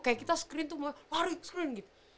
kayak kita screen tuh lari screen gitu